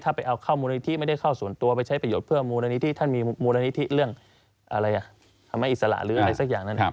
ถ้าไปเอาเข้ามูลนิธิไม่ได้เข้าส่วนตัวไปใช้ประโยชน์เพื่อมูลนิธิท่านมีมูลนิธิเรื่องอะไรทำให้อิสระหรืออะไรสักอย่างนั้น